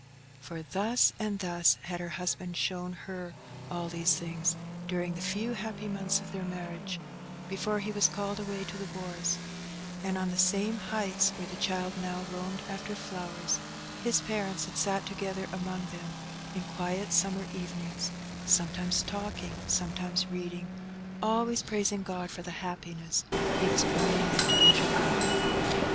For thus and thus had her husband shown her all these things, during the few happy months of their marriage, before he was called away to the wars; and on the same heights where the child now roamed after flowers, his parents had sat together among them, in quiet summer evenings, sometimes talking, sometimes reading, always praising God for the happiness He was permitting them to enjoy.